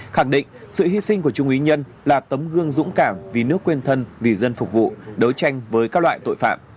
khẳng định sự hy sinh của trung ý nhân là tấm gương dũng cảm vì nước quên thân vì dân phục vụ đấu tranh với các loại tội phạm